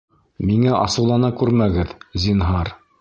— Миңә асыулана күрмәгеҙ, зинһар.